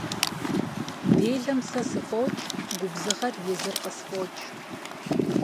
Делэм сэ сыфӀокӀ, губзыгъэр езыр къысфӀокӀ.